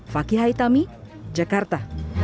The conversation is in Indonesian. fakih haithami jakarta